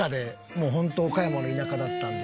もうホント岡山の田舎だったんで。